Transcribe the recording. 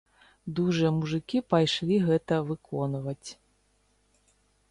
Дужыя мужыкі пайшлі гэта выконваць.